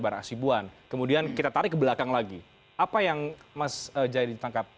mas jaya di ditangkap kemudian kita tarik ke belakang lagi apa yang mas jaya di ditangkap